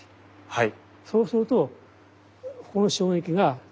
はい。